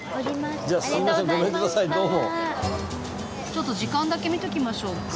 ちょっと時間だけ見ときましょうか。